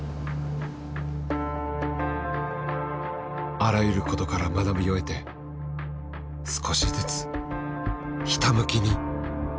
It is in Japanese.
あらゆることから学びを得て少しずつひたむきに前に進む。